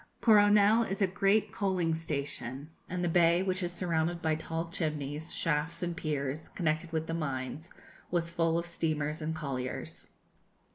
Coronel is a great coaling station, and the bay, which is surrounded by tall chimneys, shafts, and piers, connected with the mines, was full of steamers and colliers.